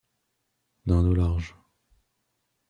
D’un dos large